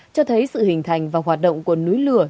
cho thấy sự hình thành và hoạt động của núi lửa